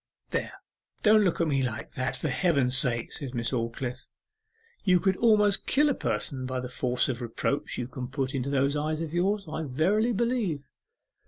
'There, don't look at me like that, for Heaven's sake!' said Miss Aldclyffe. 'You could almost kill a person by the force of reproach you can put into those eyes of yours, I verily believe.